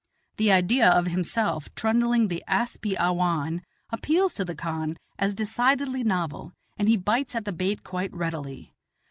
The idea of himself trundling the asp i awhan appeals to the khan as decidedly novel, and he bites at the bait quite readily.